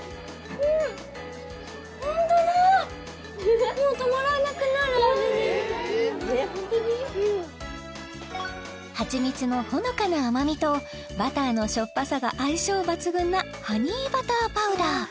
うんはちみつのほのかな甘みとバターのしょっぱさが相性抜群なハニーバターパウダー